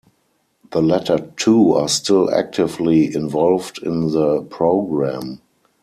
The latter two are still actively involved in the programme.